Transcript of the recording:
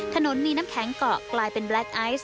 ถนนมีน้ำแข็งเกาะกลายเป็นแล็คไอซ์